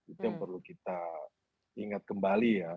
itu yang perlu kita ingat kembali ya